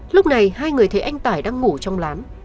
lúc này hai người thấy anh tải đang ngủ trong lán